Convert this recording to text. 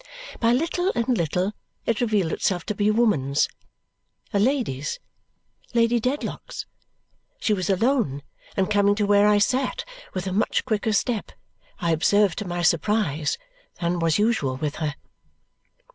By little and little it revealed itself to be a woman's a lady's Lady Dedlock's. She was alone and coming to where I sat with a much quicker step, I observed to my surprise, than was usual with her.